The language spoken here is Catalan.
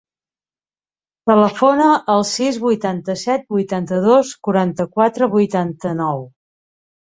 Telefona al sis, vuitanta-set, vuitanta-dos, quaranta-quatre, vuitanta-nou.